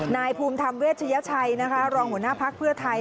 นายภูมิธรรมเวชยชัยนะคะรองหัวหน้าภักดิ์เพื่อไทย